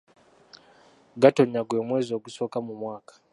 Gatonnya gwe mwezi ogusooka mu mwaka.